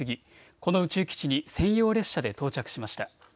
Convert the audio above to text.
この宇宙基地に専用列車で到着しました。